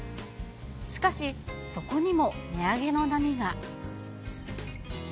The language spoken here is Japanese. しかし、そこにも値上げの波が。